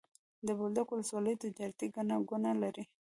د بولدک ولسوالي تجارتي ګڼه ګوڼه لري.